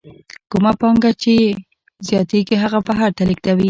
کومه پانګه یې چې زیاتېږي هغه بهر ته لېږدوي